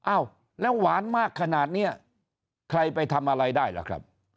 อ้าวแล้วหวานมากขนาดนี้ใครไปทำอะไรได้ล่ะครับ